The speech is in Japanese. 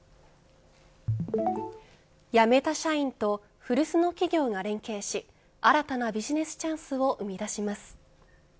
辞めた社員と古巣の企業が連携し新たなビジネスチャンスを生み出します。